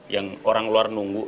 yang orang luar nunggu